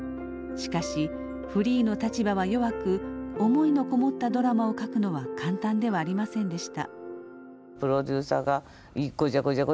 しかしフリーの立場は弱く思いのこもったドラマを書くのは簡単ではありませんでした。